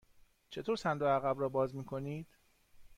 چطور صندوق عقب را باز می کنید؟